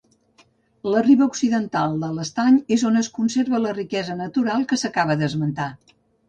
La riba occidental de l'estany és on es conserva la riquesa natural que s'acaba d'esmentar.